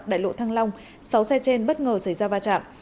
đại lộ thăng long sáu xe trên bất ngờ xảy ra va chạm